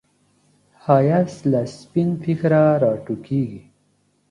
ښایست له سپین فکره راټوکېږي